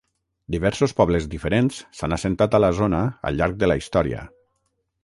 Diversos pobles diferents s'han assentat a la zona al llarg de la història.